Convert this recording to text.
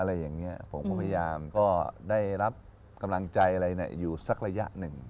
อะไรอย่างนี้ผมก็พยายามก็ได้รับกำลังใจอะไรอยู่สักระยะหนึ่ง